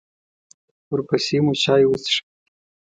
ورپسې مو چای وڅښه.